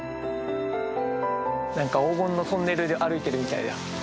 何か黄金のトンネル歩いてるみたいだよ。